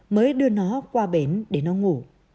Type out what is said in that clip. mới đưa nó qua bến để nó ngủ